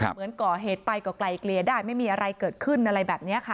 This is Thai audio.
เหมือนก่อเหตุไปก็ไกลเกลียได้ไม่มีอะไรเกิดขึ้นอะไรแบบนี้ค่ะ